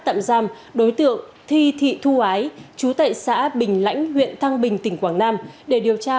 tạm giam đối tượng thi thị thu ái chú tệ xã bình lãnh huyện thăng bình tỉnh quảng nam để điều tra